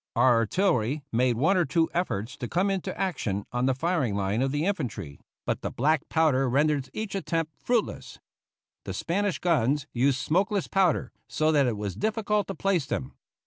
Our artillery made one or two efforts to come into action on the firing line of the infantry, but the black powder rendered each attempt fruitless. The Spanish guns used smokeless powder, so that it was difficult to place them.